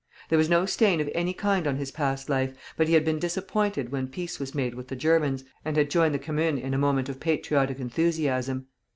There was no stain of any kind on his past life, but he had been disappointed when peace was made with the Germans, and had joined the Commune in a moment of patriotic enthusiasm.